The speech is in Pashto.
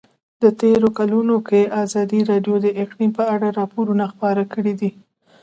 په تېرو کلونو کې ازادي راډیو د اقلیم په اړه راپورونه خپاره کړي دي.